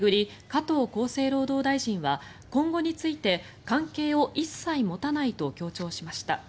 加藤厚生労働大臣は今後について関係を一切持たないと強調しました。